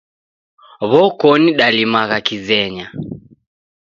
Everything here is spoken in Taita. W'okoni dalimagha kizenya